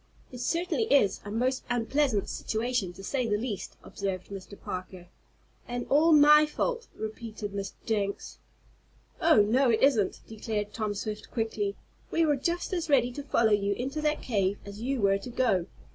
"It certainly is a most unpleasant situation, to say the least," observed Mr. Parker. "And all my fault," repeated Mr. Jenks. "Oh, no it isn't," declared Tom Swift, quickly. "We were just as ready to follow you into that cave as you were to go.